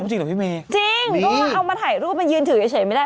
จริงเหรอพี่เมย์จริงก็มาเอามาถ่ายรูปมายืนถือเฉยไม่ได้